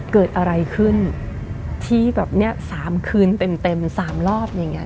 เกิดอะไรขึ้นที่แบบเนี่ย๓คืนเต็มสามรอบอย่างเงี้